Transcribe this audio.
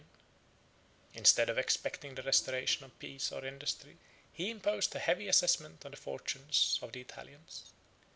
Instead of expecting the restoration of peace and industry, he imposed a heavy assessment on the fortunes of the Italians.